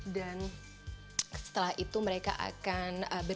dan setelah itu mereka akan